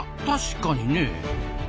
確かにねえ。